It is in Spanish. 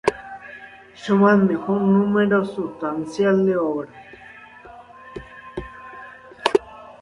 Schuman dejó un número sustancial de obras.